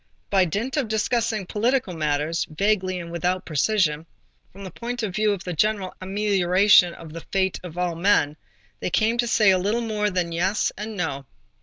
By dint of discussing political matters, vaguely and without precision, from the point of view of the general amelioration of the fate of all men, they came to say a little more than "yes" and "no."